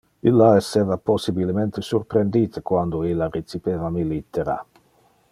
Illa esseva possibilemente surprendite quando illa recipeva mi littera.